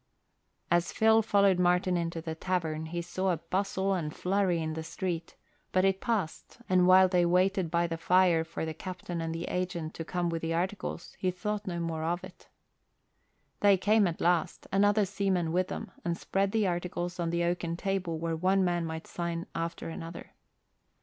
As Phil followed Martin into the tavern he saw a bustle and flurry in the street, but it passed and while they waited by the fire for the captain and the agent to come with the articles he thought no more of it. They came at last, and other seamen with them, and spread the articles on the oaken table where one man might sign after another.